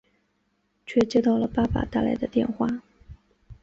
却接到爸爸打来的电话